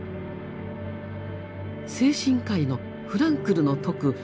精神科医のフランクルの説く